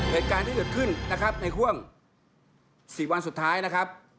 เหตุการณ์ที่เกิดขึ้นนะครับในห่วง๔วันสุดท้ายนะครับ